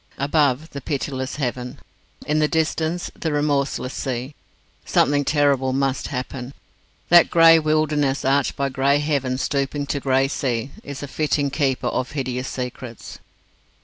Above, the pitiless heaven. In the distance, the remorseless sea. Something terrible must happen. That grey wilderness, arched by grey heaven stooping to grey sea, is a fitting keeper of hideous secrets.